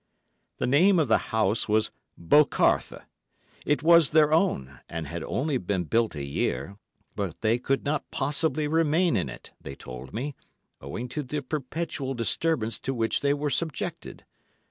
The name of the house was "Bocarthe." It was their own, and had only been built a year, but they could not possibly remain in it, they told me, owing to the perpetual disturbance to which they were subjected.